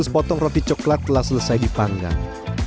dua ratus potong roti coklat telah selesai dipanggang